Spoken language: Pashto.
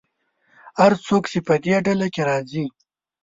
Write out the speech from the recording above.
هر څه چې په دې ډله کې راځي.